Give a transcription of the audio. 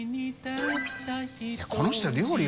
いこの人料理